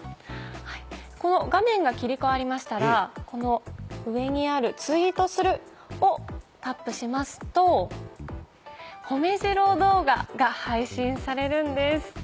この画面が切り替わりましたらこの上にある「ツイートする」をタップしますとほめジロー動画が配信されるんです。